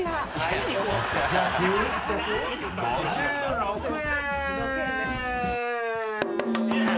８５６円！